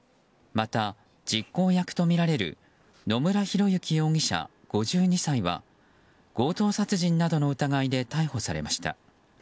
また、実行役とみられる野村広之容疑者、５２歳は強盗殺人などの疑いで逮捕されました。